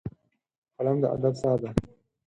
قلم د ادب ساه ده